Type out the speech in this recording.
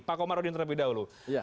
pak komarudin terlebih dahulu